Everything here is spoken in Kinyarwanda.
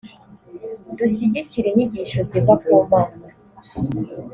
dushyigikire inyigisho ziva ku mana